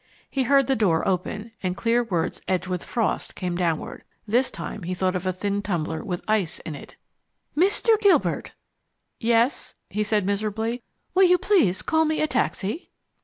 He heard the door opened, and clear words edged with frost came downward. This time he thought of a thin tumbler with ice in it. "Mr. Gilbert!" "Yes?" he said miserably. "Will you please call me a taxi?"